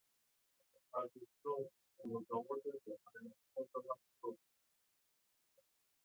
As a result, he was awarded the Harry Sunderland Trophy.